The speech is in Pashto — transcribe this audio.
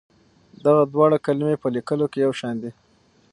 دغه دواړه کلمې په لیکلو کې یو شان دي.